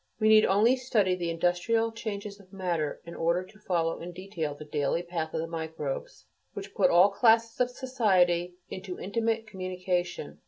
We need only study the industrial changes of matter in order to follow in detail the daily path of the microbes, which put all classes of society into intimate communication.